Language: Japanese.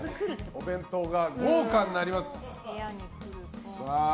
お弁当が豪華になります。